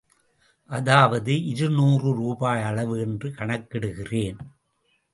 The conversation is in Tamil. அதாவது இருநூறு ரூபாய் அளவு என்று கணக்கிடுகிறேன்.